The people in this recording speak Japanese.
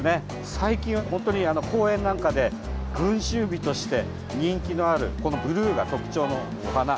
最近は本当に公園なんかで群集美として人気のあるこのブルーが特徴のお花。